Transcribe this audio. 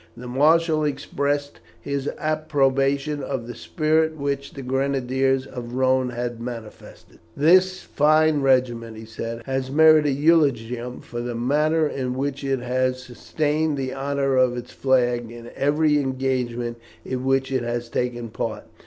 The marshal expressed his approbation of the spirit which the Grenadiers of the Rhone had manifested. "This fine regiment," he said, "has ever merited eulogium for the manner in which it has sustained the honour of its flag in every engagement in which it has taken part.